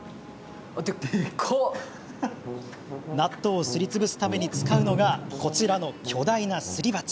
納豆をすりつぶすために使うのがこちらの巨大な、すり鉢。